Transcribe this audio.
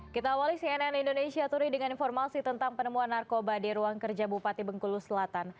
kita awali cnn indonesia today dengan informasi tentang penemuan narkoba di ruang kerja bupati bengkulu selatan